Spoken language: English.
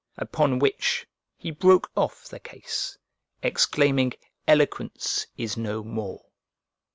Upon which, he broke off the case, exclaiming, 'Eloquence is no more!'"